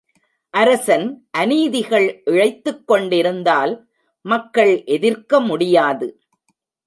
அரசன் அநீதிகள் இழைத்துக்கொண்டிருந்தால் மக்கள் எதிர்க்க முடியாது.